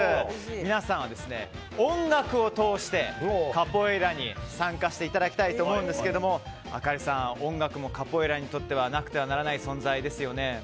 皆さんは音楽を通してカポエイラに参加していただきたいと思うんですがあかりさん、音楽もカポエイラにとってはなくてはならない存在ですよね。